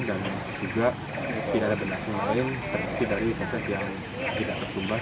dan juga tidak ada benda asing lain terkunci dari fesis yang tidak tersumbat